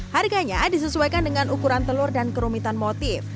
harganya disesuaikan dengan ukuran telur dan kerumitan motif